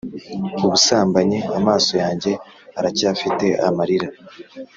ubusambanyi: amaso yanjye aracyafite amarira